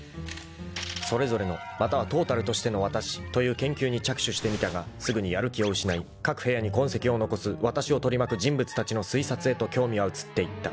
［「それぞれのまたはトータルとしてのわたし」という研究に着手してみたがすぐにやる気を失い各部屋に痕跡を残すわたしを取り巻く人物たちの推察へと興味は移っていった］